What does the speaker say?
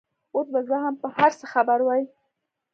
اوس به زه هم په هر څه خبره وای.